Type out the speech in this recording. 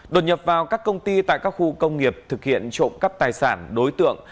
đột nhập vào các công ty tại các khu công nghiệp thực hiện trộm cắp tài sản đối tượng